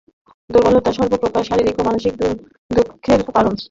দুর্বলতা সর্বপ্রকার শারীরিক ও মানসিক দুঃখের কারণ।